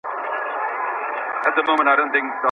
ولي مدام هڅاند د مخکښ سړي په پرتله ښه ځلېږي؟